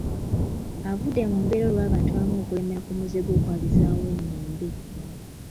Avudde mu mbeera olw'abantu abamu okulemera ku muze gw'okwabizaawo ennyimbe